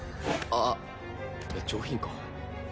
あっいや上品か？